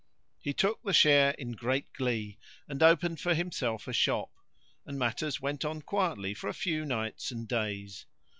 He took the share in great glee and opened for himself a shop; and matters went on quietly for a few nights and days.